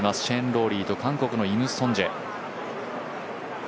シェーン・ローリーと韓国のイム・ソンジェ。